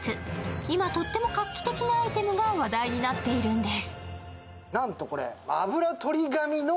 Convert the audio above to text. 今、とっても画期的なアイテムが話題になっているんです。